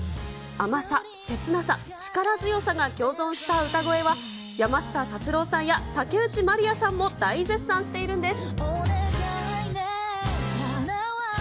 甘さ、切なさ、力強さが共存した歌声は、山下達郎さんや竹内まりやさんも大絶賛しているんです。